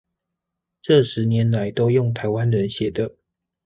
這十年來都用台灣人寫的